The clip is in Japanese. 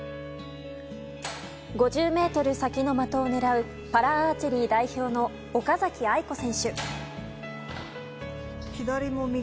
５０ｍ先の的を狙うパラアーチェリー代表の岡崎愛子選手。